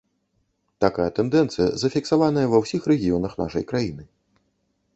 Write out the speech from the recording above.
Такая тэндэнцыя зафіксаваная ва ўсіх рэгіёнах нашай краіны.